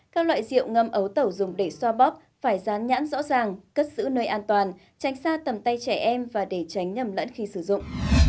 các loại rượu ngâm ấu tẩu dùng để xoa bóp phải dán nhãn rõ ràng cất giữ nơi an toàn tránh xa tầm tay trẻ em và để tránh nhầm lẫn khi sử dụng